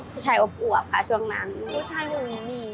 ไปของเขายังไงไปบอกเขาไง